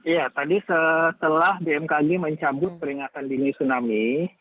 ya tadi setelah bmkg mencabut peringatan dini tsunami